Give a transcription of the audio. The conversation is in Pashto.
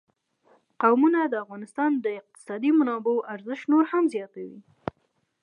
قومونه د افغانستان د اقتصادي منابعو ارزښت نور هم زیاتوي.